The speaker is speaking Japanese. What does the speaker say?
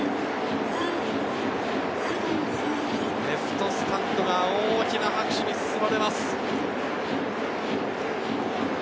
レフトスタンドが大きな拍手に包まれます。